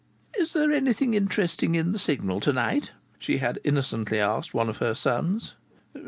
"Is there anything interesting in the Signal to night?" she had innocently asked one of her sons.